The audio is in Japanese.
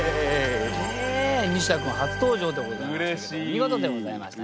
ニシダ君初登場でございましたけども見事でございましたね！